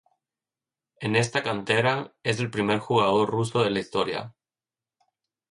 En esta cantera, es el primer jugador ruso de la historia.